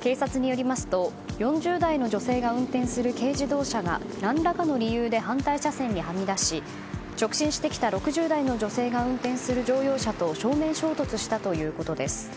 警察によりますと４０代の女性が運転する軽自動車が何らかの理由で反対車線にはみだし直進してきた６０代の女性が運転する乗用車と正面衝突したということです。